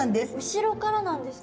後ろからなんですか？